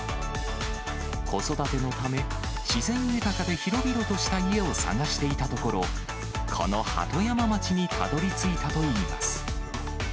子育てのため、自然豊かで広々とした家を探していたところ、この鳩山町にたどりついたといいます。